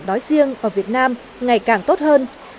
sức khỏe sinh sản đói riêng ở việt nam ngày càng tốt hơn